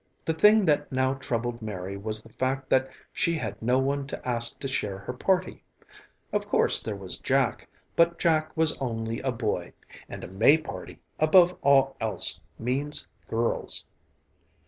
The thing that now troubled Mary was the fact that she had no one to ask to share her party. Of course there was Jack, but Jack was only a boy and a May party, above all else, means girls.